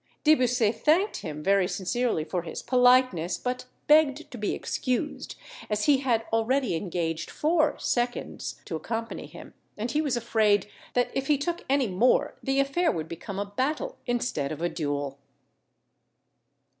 De Bussy thanked him very sincerely for his politeness, but begged to be excused, as he had already engaged four seconds to accompany him, and he was afraid that if he took any more the affair would become a battle instead of a duel.